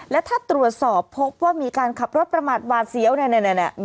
และถ้าตรวจสอบพบว่ามีการขับรถประมาทหวาดเสียวเนี่ย